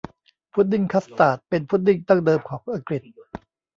พุดดิ้งคัสตาร์ดเป็นพุดดิ้งดั้งเดิมของอังกฤษ